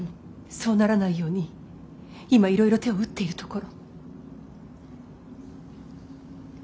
そうならないように今いろいろ手を打っているところ。